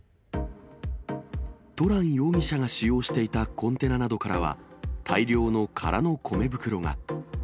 トラン容疑者が使用していたコンテナなどからは、大量の空の米袋が。